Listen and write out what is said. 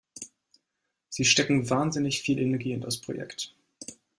Sie stecken wahnsinnig viel Energie in das Projekt.